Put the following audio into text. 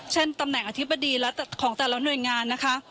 ตำแหน่งอธิบดีของแต่ละหน่วยงานนะคะ